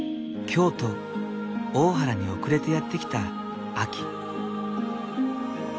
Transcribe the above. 京都・大原に遅れてやって来た秋。